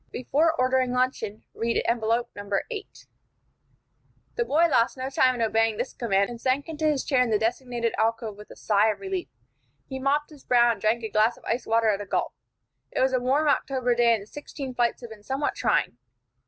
Before ordering luncheon read envelope No. 8." The boy lost no time in obeying this command, and sank into his chair in the designated alcove with a sigh of relief. He mopped his brow, and drank a glass of ice water at a gulp. It was a warm October day, and the sixteen flights had been somewhat trying.